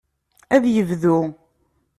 Ad yebdu.